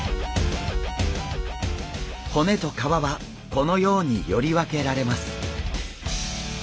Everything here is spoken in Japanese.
骨と皮はこのようにより分けられます。